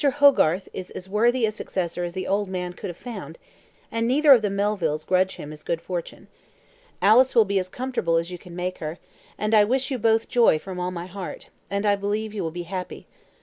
Hogarth is as worthy a successor as the old man could have found, and neither of the Melvilles grudges him his good fortune. Alice will be as comfortable as you can make her, and I wish you both joy from all my heart, and I believe you will be happy.